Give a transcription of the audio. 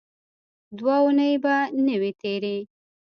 دوه اوونۍ به نه وې تېرې.